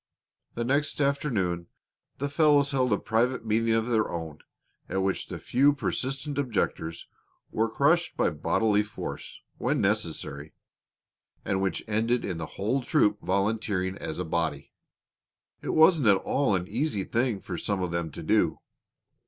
The next afternoon the fellows held a private meeting of their own at which the few persistent objectors were crushed by bodily force, when necessary, and which ended in the whole troop volunteering as a body. It wasn't at all an easy thing for some of them to do.